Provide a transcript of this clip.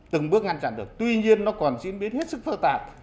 từng bước ngăn chặn được tuy nhiên nó còn diễn biến hết sức phức tạp